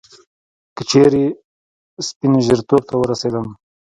که چیري سپين ژیرتوب ته ورسېدم